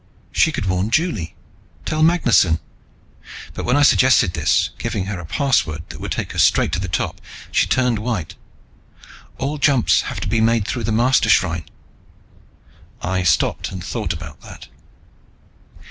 She could warn Juli, tell Magnusson. But when I suggested this, giving her a password that would take her straight to the top, she turned white. "All jumps have to be made through the Mastershrine." I stopped and thought about that.